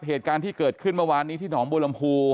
เหตุการณ์ที่เกิดขึ้นเมื่อวานนี้ที่หนองบัวลำพู